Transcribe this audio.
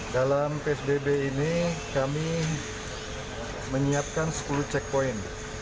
dalam psbb ini kami menyiapkan sepuluh cek poin